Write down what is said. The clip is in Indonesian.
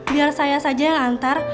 biar saya saja yang lantar